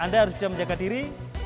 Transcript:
anda harus bisa menjaga diri